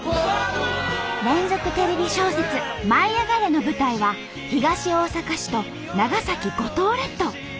連続テレビ小説「舞いあがれ！」の舞台は東大阪市と長崎五島列島。